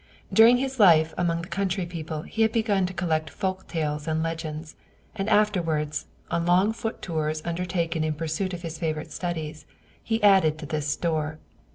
During his life among the country people he had begun to collect folk tales and legends, and afterward, on long foot tours undertaken in the pursuit of his favorite studies, he added to this store.